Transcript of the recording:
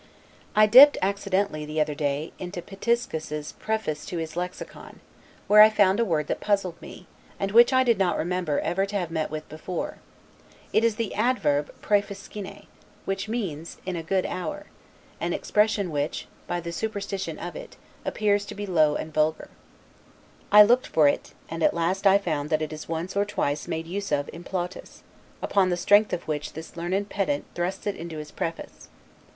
I dipped accidentally, the other day, into Pitiscus's preface to his "Lexicon," where I found a word that puzzled me, and which I did not remember ever to have met with before. It is the adverb 'praefiscine', which means, IN A GOOD HOUR; an expression which, by the superstition of it, appears to be low and vulgar. I looked for it: and at last I found that it is once or twice made use of in Plautus, upon the strength of which this learned pedant thrusts it into his preface.